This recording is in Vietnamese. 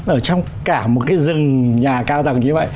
ở trong cả một cái rừng nhà cao tầng như vậy